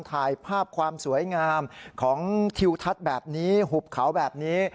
ถ่ายภาพความสวยงามของทิวทัศน์แบบนี้หุบเขาแบบนี้